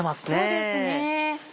そうですね。